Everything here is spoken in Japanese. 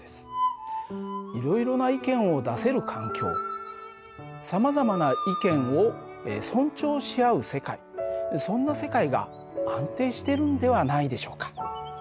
いろいろな意見を出せる環境さまざまな意見を尊重し合う世界そんな世界が安定しているんではないでしょうか。